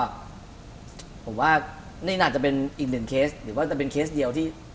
ผมว่านี่น่าจะเป็นอีกหนึ่งเคสหรือว่าจะเป็นเคสเดียวที่